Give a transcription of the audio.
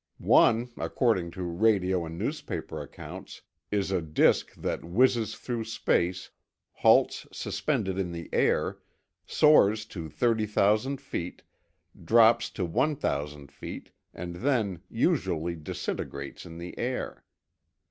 One, according to radio and newspaper accounts, is a disk that whizzes through space, halts suspended in the air, soars to thirty thousand feet, drops to one thousand feet, and then usually disintegrates in the air.